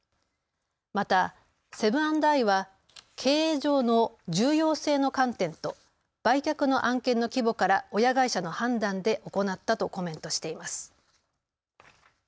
またセブン＆アイは経営上の重要性の観点と売却の案件の規模から親会社の判断で行ったとコメントしています。